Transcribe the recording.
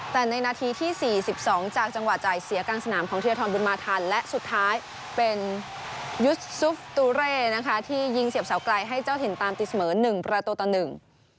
แต่ในนาทีที่สี่สิบสองจากจังหวะจ่ายเสียกลางสนามของเทียทรบุญมาทันและสุดท้ายเป็นยุสซุปตูเร่นะคะที่ยิงเสียบเสาไกลให้เจ้าถิ่นตามตีเสมอหนึ่งประตูต่อหนึ่ง